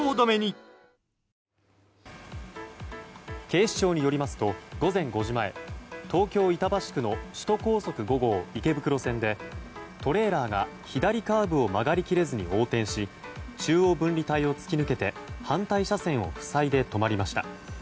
警視庁によりますと午前５時前東京・板橋区の首都高速５号池袋線でトレーラーが左カーブを曲がり切れずに横転し中央分離帯を突き抜けて反対車線を塞いで止まりました。